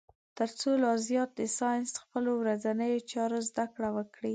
تر څو لا زیات د ساینس خپلو ورځنیو چارو زده کړه وکړي.